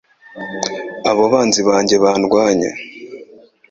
abo banzi banjye bandwanya